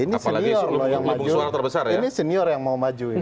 ini senior yang mau maju